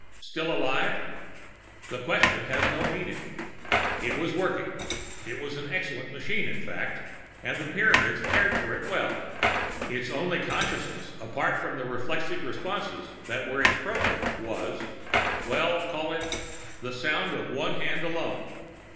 still alive? The question has no meaning. It was working. It was an excellent machine, in fact, and the Pyramids cared for it well. Its only consciousness, apart from the reflexive responses that were its program, was well, call it "the sound of one hand alone."